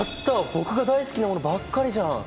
僕が大好きなものばっかりじゃん。